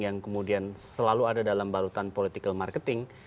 yang kemudian selalu ada dalam balutan political marketing